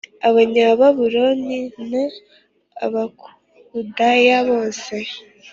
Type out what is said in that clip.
Abanyababuloni n Abakaludaya bose